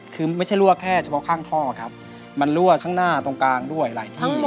คือไม่ใช่รั่วแค่เฉพาะข้างท่อครับมันรั่วข้างหน้าตรงกลางด้วยหลายที่